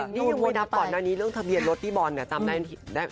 นี่ยังไม่นับก่อนอันนี้เรื่องทะเบียนรถที่บอลเนี่ย